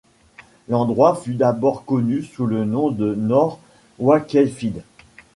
L'endroit fut d'abord connu sous le nom de North Wakefield.